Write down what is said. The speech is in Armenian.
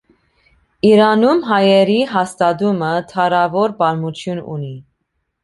Իրանում հայերի հաստատումը դարավոր պատմություն ունի։